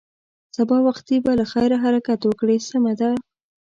سبا وختي به له خیره حرکت وکړې، سمه ده.